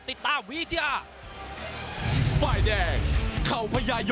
ติตาวิทยา